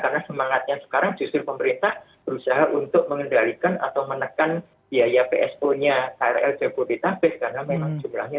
dan cukup membebani apbn